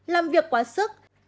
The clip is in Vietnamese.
làm việc quá sức